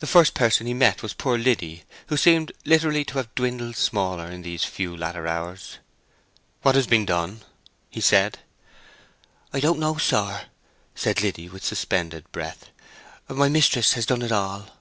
The first person he met was poor Liddy, who seemed literally to have dwindled smaller in these few latter hours. "What has been done?" he said. "I don't know, sir," said Liddy, with suspended breath. "My mistress has done it all."